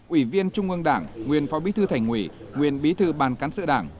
ủy viên trung ương đảng nguyên phó bí thư thành ủy nguyên bí thư ban cán sự đảng